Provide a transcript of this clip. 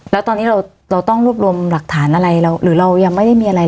แล้วตอนนี้เราต้องรวบรวมหลักฐานอะไรหรือเรายังไม่ได้มีอะไร